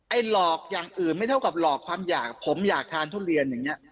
หลอกอย่างอื่นไม่เท่ากับหลอกความอยากผมอยากทานทุเรียนอย่างนี้